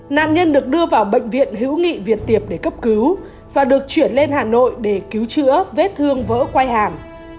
nạn nhân được đưa vào bệnh viện hữu nghị việt tiệp để cấp cứu và được chuyển lên hà nội để cứu chữa vết thương vỡ quay hàm